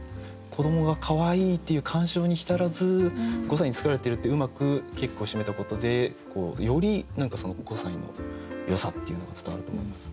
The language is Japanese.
子どもがかわいいっていう感傷に浸らず「五歳に作られている」ってうまく結句をしめたことでより何かその五歳のよさっていうのが伝わると思います。